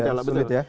ya sudah sulit ya